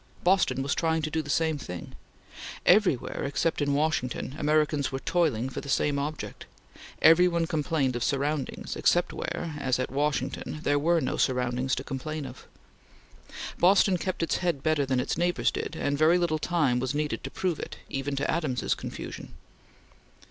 Boston was trying to do the same thing. Everywhere, except in Washington, Americans were toiling for the same object. Every one complained of surroundings, except where, as at Washington, there were no surroundings to complain of. Boston kept its head better than its neighbors did, and very little time was needed to prove it, even to Adams's confusion.